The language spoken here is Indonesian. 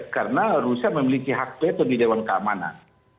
karena rusia memiliki hak peto di dewan keamanan